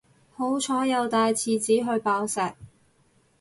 好彩有帶廁紙去爆石